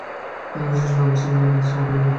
অধিকাংশ সৈন্য আবু সুফিয়ানের নির্দেশে মক্কায় ফেরত যায়।